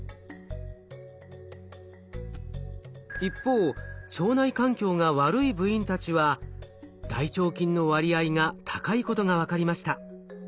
一方腸内環境が悪い部員たちは大腸菌の割合が高いことが分かりました。